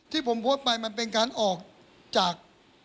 ที่ผมโพสต์ไปมันเป็นการออกจาก